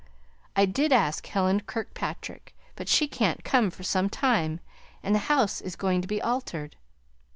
I did ask Helen Kirkpatrick, but she can't come for some time; and the house is going to be altered.